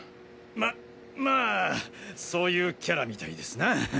ままあそういうキャラみたいですな。